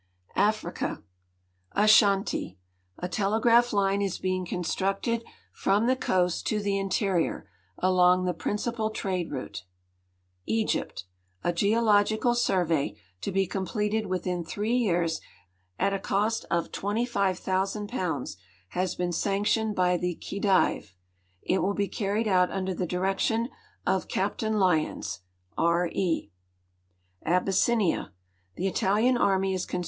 AFRICA Asuanti. a telegraph line is being constructed from the coast to the interior, along the principal trade route. Egypt. A geological survey, to be completed within three years at a cost of £25,000, has been sanctioned by the Khedive. It will be carried out under the direction of Capt. Lyons, R. E. Abyssinia. The Italian army is con.